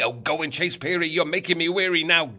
Oh, go and chase Peary! You're making me weary. Now git!"